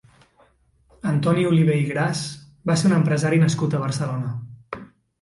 Antoni Oliver i Gras va ser un empresari nascut a Barcelona.